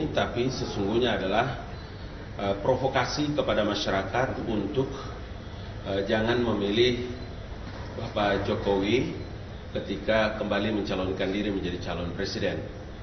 tapi sesungguhnya adalah provokasi kepada masyarakat untuk jangan memilih bapak jokowi ketika kembali mencalonkan diri menjadi calon presiden